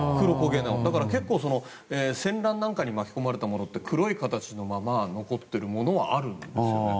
だから戦乱なんかに巻き込まれたものは黒い形のまま残っているものはあるんですよね。